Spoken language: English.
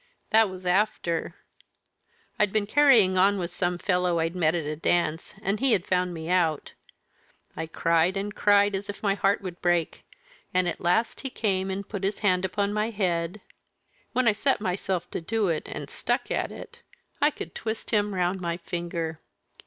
That was after I'd been carrying on with some fellow I'd met at a dance, and he had found me out. I cried and cried as if my heart would break, and at last he came and put his hand upon my head when I set myself to do it, and stuck at it, I could twist him round my finger!